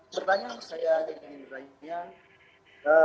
pertanyaan saya yang lainnya